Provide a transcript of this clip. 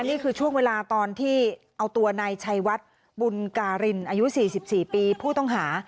นี่คือช่วงเวลาตอนที่เอาตัวนายชัยวัดบุญการินอายุ๔๔ปีผู้ต้องหา